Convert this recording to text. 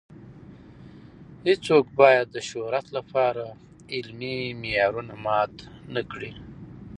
هیڅوک باید د شهرت لپاره علمي معیارونه مات نه کړي.